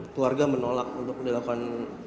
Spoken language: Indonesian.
keluarga menolak untuk dilakukan pemeriksaan lebih lanjut